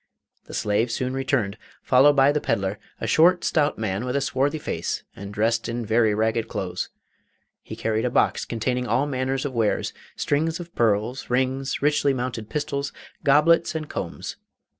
The slave soon returned, followed by the pedlar, a short stout man with a swarthy face, and dressed in very ragged clothes. He carried a box containing all manner of wares strings of pearls, rings, richly mounted pistols, goblets, and combs.